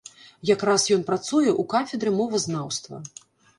Якраз ён працуе ў кафедры мовазнаўства.